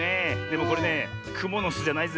でもこれねくものすじゃないぜえ。